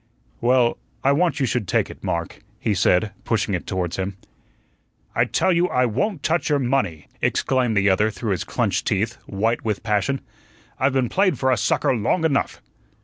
"Well, I want you should take it, Mark," he said, pushing it towards him. "I tell you I won't touch your money," exclaimed the other through his clenched teeth, white with passion. "I've been played for a sucker long enough."